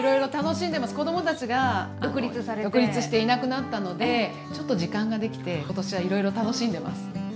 子供たちが独立していなくなったのでちょっと時間ができて今年はいろいろ楽しんでます。